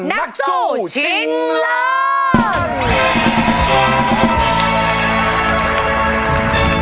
นักสู้ชิงล้าน